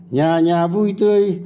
nhà nhà vui tươi